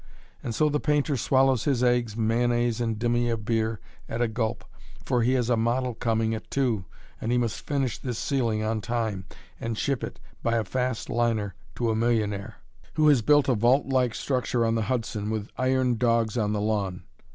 And so the painter swallows his eggs, mayonnaise, and demi of beer, at a gulp, for he has a model coming at two, and he must finish this ceiling on time, and ship it, by a fast liner, to a millionaire, who has built a vault like structure on the Hudson, with iron dogs on the lawn.